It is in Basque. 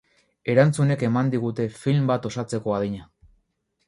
Erantzunek eman digute film bat osatzeko adina.